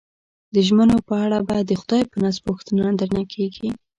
د ژمنو په اړه به د خدای په نزد پوښتنه درنه کېږي.